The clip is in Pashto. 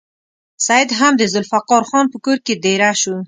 سید هم د ذوالفقار خان په کور کې دېره شو.